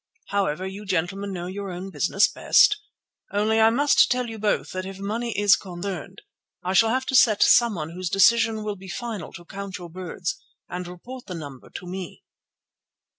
However, you gentlemen know your own business best. Only I must tell you both that if money is concerned, I shall have to set someone whose decision will be final to count your birds and report the number to me."